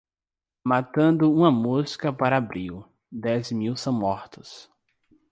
Matando uma mosca para abril, dez mil são mortos.